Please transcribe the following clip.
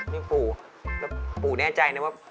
นี่ปูแล้วปูแน่ใจนะว่า